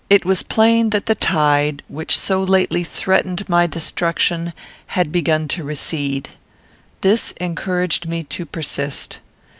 It was plain that the tide, which so lately threatened my destruction, had begun to recede. This encouraged me to persist.